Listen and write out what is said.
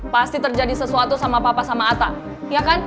pasti terjadi sesuatu sama papa sama atta ya kan